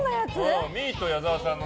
ミート矢澤さんの。